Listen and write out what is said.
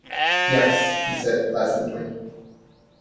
"Yes," he said pleasantly.